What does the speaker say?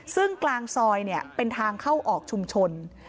ซึ่งกลางซอยเป็นทางเข้าออกชุมชน